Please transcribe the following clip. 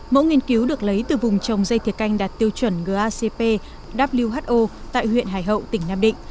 mẫu nghiên cứu được lấy từ vùng trồng dây thiều canh đạt tiêu chuẩn gacp who tại huyện hải hậu tỉnh nam định